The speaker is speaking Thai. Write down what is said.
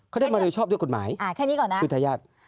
เขาได้มาโดยชอบด้วยกฎหมายแค่นี้ก่อนนะคือทายาท